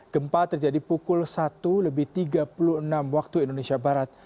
gempa terjadi pukul satu lebih tiga puluh enam waktu indonesia barat